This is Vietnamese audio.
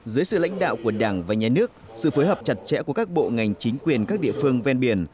dưới sự lãnh đạo của đảng và nhà nước sự phối hợp chặt chẽ của các bộ ngành chính quyền các địa phương ven biển